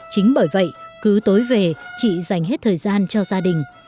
chính bởi vậy cứ tối về chị dành hết thời gian cho gia đình